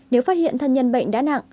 nếu phát hiện thân nhân bệnh đã nặng